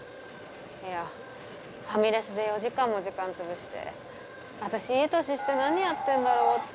いやファミレスで４時間も時間潰して私いい年して何やってんだろうって。